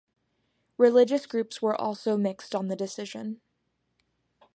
Religious groups were also mixed on the decision.